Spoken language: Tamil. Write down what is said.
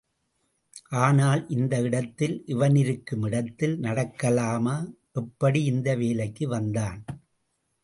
ஆனால் இந்த இடத்தில் இவனிருக்கும் இடத்தில் நடக்கலாமா... எப்படி இந்த வேலைக்கு வந்தான்?